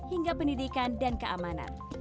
hingga pendidikan dan keamanan